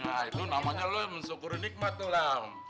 nah itu namanya lo yang bersyukur nikmat tulang